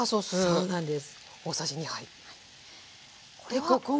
そうなんです。